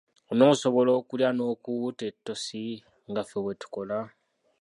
Onoosobola okulya n'okuwuuta ettosi nga ffe bwe tukola?